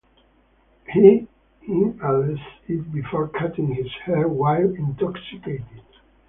He inhales it before cutting his hair while intoxicated.